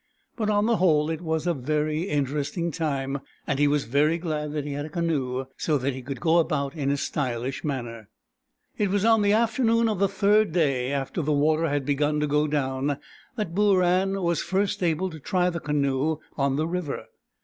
But on the whole it was a very interesting time, and he was very glad that he had a canoe so that he could go about in a stylish manner. It was on the afternoon of the third day after the water had begun to go down, that Booran was first able to try the canoe on the river.